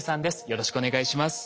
よろしくお願いします。